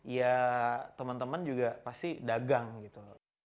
ya teman teman juga pasti dagang gitu